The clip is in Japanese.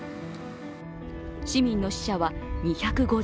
市民の死者は２５０人。